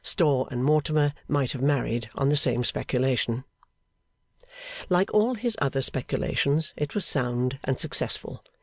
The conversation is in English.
Storr and Mortimer might have married on the same speculation. Like all his other speculations, it was sound and successful.